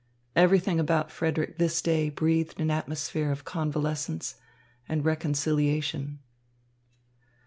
Everything about Frederick this day breathed an atmosphere of convalescence and reconciliation.